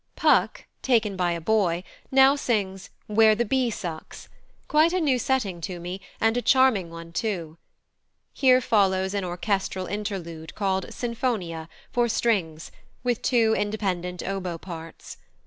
Puck, taken by a boy, now sings, "Where the bee sucks" quite a new setting to me, and a charming one, too. Here follows an orchestral interlude, called "Sinfonia," for strings, with two independent oboe parts.